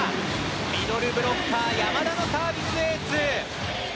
ミドルブロッカー、山田のサービスエース！